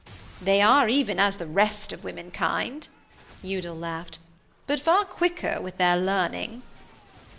'They are even as the rest of womenkind,' Udal laughed, 'but far quicker with their learning.'